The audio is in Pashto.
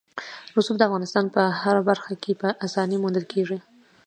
رسوب د افغانستان په هره برخه کې په اسانۍ موندل کېږي.